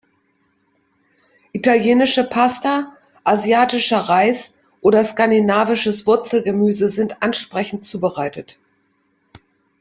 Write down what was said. Italienische Pasta, asiatischer Reis oder skandinavisches Wurzelgemüse sind ansprechend zubereitet.